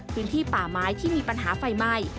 พื้นที่ป่าไม้ที่มีปัญหาไฟไหม้